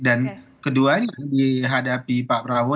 dan kedua dihadapi pak prabowo